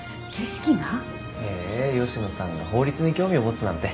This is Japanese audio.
へえ吉野さんが法律に興味を持つなんて。